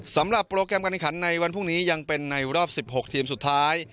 สำหรับโปรแกรมการแข่งขันในวันพรุ่งนี้ยังเป็นในรอบ๑๖ทีมสุดท้าย